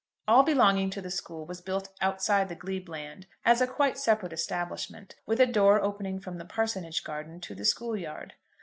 All belonging to the school was built outside the glebe land, as a quite separate establishment, with a door opening from the parsonage garden to the school yard.